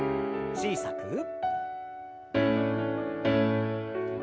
小さく。